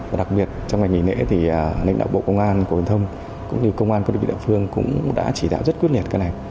và đặc biệt trong ngày nhìn lễ thì lĩnh đạo bộ công an của giao thông cũng như công an của địa phương cũng đã chỉ đạo rất quyết liệt cái này